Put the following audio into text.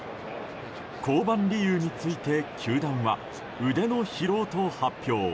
降板理由について球団は腕の疲労と発表。